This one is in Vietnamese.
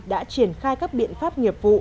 đã triển khai các biện pháp nghiệp vụ